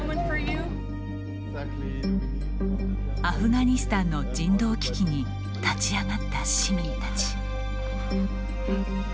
アフガニスタンの人道危機に立ち上がった市民たち。